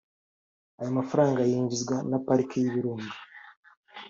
Aya mafaranga yinjizwa na pariki y’Ibirunga